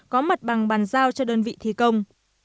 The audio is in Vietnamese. có mặt bằng bàn giao cho đơn vị thi công